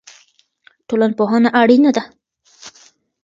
ټولنپوهنه اړینه ده.